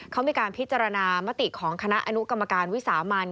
เขามีการพิจารณามติของคณะอนุกรรมการวิสามัน